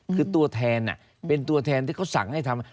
คือตัวแทนเป็นตัวแทนที่เขาสั่งให้ทำ